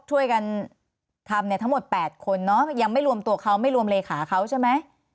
ช่วยกันทำเนี่ยทั้งหมด๘คนเนาะยังไม่รวมตัวเขาไม่รวมเลขาเขาใช่ไหม